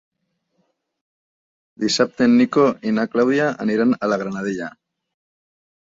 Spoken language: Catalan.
Dissabte en Nico i na Clàudia aniran a la Granadella.